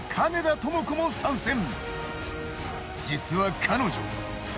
実は彼女。